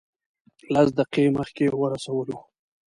لس دقیقې مخکې ورسولو.